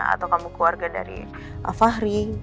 atau kamu keluarga dari fahri